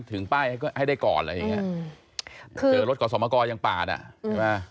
ถึงป้ายให้ให้ได้ก่อนอะไรอย่างเงี้ยเจอรถขอสมกรยังปาดอ่ะใช่ไหม